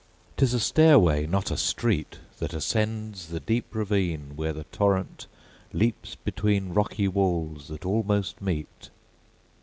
'T is a stairway, not a street, That ascends the deep ravine, Where the torrent leaps between Rocky walls that almost meet.